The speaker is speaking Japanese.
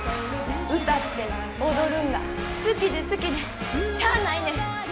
歌って踊るんが好きで好きでしゃあないねん。